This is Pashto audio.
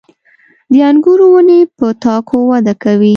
• د انګورو ونې په تاکو وده کوي.